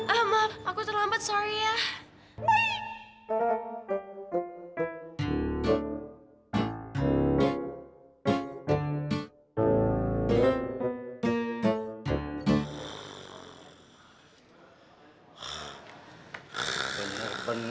ah maaf aku terlambat sorry ya